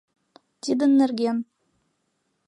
Тидын нерген.